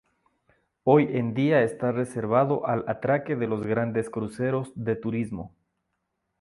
Hoy en día está reservado al atraque de los grandes cruceros de turismo.